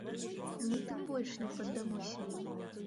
Мы тым больш не паддамося ім!